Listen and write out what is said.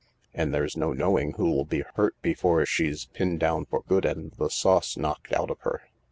And there's no knowing who'll be hurt before she's pinned down for good and the sauce knocked out of her."